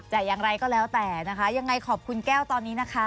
แต่อย่างไรก็แล้วแต่นะคะยังไงขอบคุณแก้วตอนนี้นะคะ